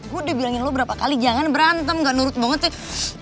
gue udah bilangin lo berapa kali jangan berantem gak nurut banget ya